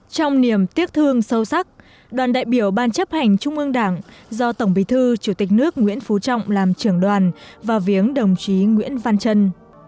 trong niềm tiếc thương sâu sắc đoàn đại biểu ban chấp hành trung ương đảng do tổng bí thư chủ tịch nước nguyễn phú trọng làm trưởng đoàn và viếng đồng chí nguyễn văn trân